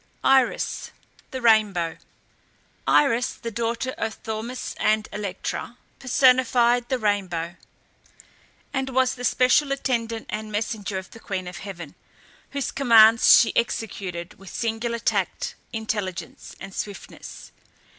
IRIS (THE RAINBOW). Iris, the daughter of Thaumas and Electra, personified the rainbow, and was the special attendant and messenger of the queen of heaven, whose commands she executed with singular tact, intelligence, and swiftness.